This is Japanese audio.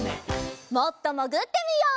もっともぐってみよう！